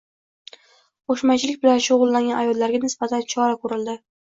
Qo‘shmachilik bilan shug‘ullangan ayollarga nisbatan chora ko‘rildi